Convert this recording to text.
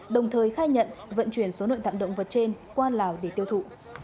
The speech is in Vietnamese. đồng thời khai nhận vận chuyển số nội tạng động vật trên qua lào để tiêu thụ